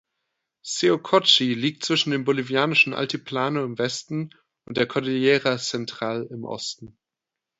Seocochi liegt zwischen dem bolivianischen Altiplano im Westen und der Cordillera Central im Osten.